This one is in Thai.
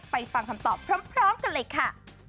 ฟังคำตอบพร้อมกันเลยค่ะ